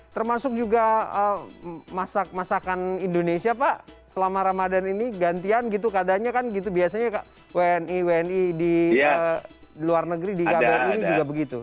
termasuk juga masak masakan indonesia pak selama ramadhan ini gantian gitu keadaannya kan gitu biasanya wni wni di luar negeri di kbri ini juga begitu